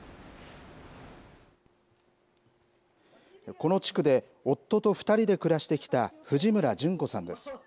この地区で、夫と２人で暮らしてきた藤村順子さんです。